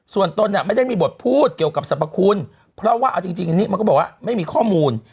ส่วนตนไม่ได้มีบทพูดเกี่ยวกับสรรพคุณเพราะว่าเอาจริงอันนี้มันก็บอกว่าไม่มีข้อมูล